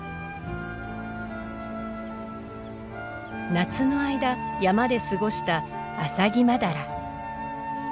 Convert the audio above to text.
夏の間山で過ごしたアサギマダラ。